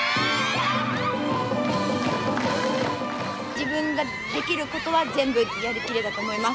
自分ができることは全部やりきれたと思います。